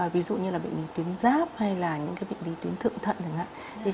ví dụ như là bệnh lý tuyến giáp hay là những bệnh lý tuyến thượng thận